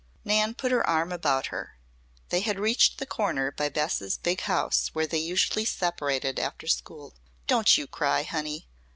Nan put her arm about her. They had reached the corner by Bess's big house where they usually separated after school. "Don't you cry, honey!"